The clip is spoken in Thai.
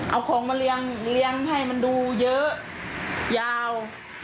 เอาของมาเลี้ยงให้มันดูเยอะยาว